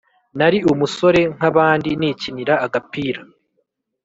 Nari umusore nk’abandi Nikinira agapira